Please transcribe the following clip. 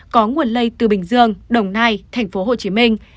có nguồn lây từ bình dương đồng nai thành phố hồ chí minh